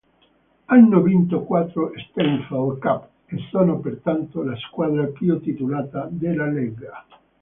Hanno vinto quattro Steinfeld Cup e sono pertanto la squadra più titolata della lega.